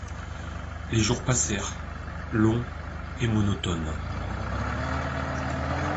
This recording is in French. Les jours passèrent, longs et monotones.